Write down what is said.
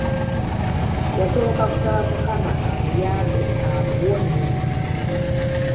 Yasooka kusaba Mukama amuyambe amuwonye.